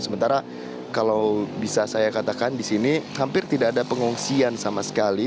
sementara kalau bisa saya katakan di sini hampir tidak ada pengungsian sama sekali